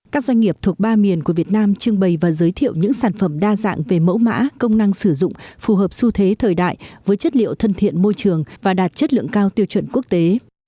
các doanh nghiệp thuộc ba miền của việt nam trưng bày và giới thiệu những sản phẩm đa dạng về mẫu mã công năng sử dụng phù hợp xu thế thời đại với chất liệu thân thiện môi trường và đạt chất lượng cao tiêu chuẩn quốc tế